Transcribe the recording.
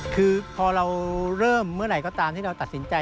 คือพอเราเริ่มเมื่อไหร่ก็ตามที่เราตัดสินใจ